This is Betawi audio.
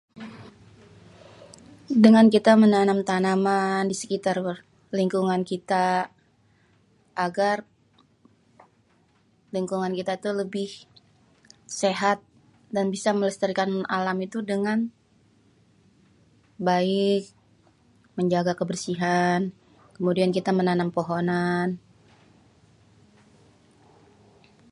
Dengan kita menanam tanaman di sekitar lingkungan kita, agar lingkungan kita tuh lebih sehat dan bisa melestarikan alam itu dengan baik, menjaga kebersihan, kemudian kita menanam pohonan.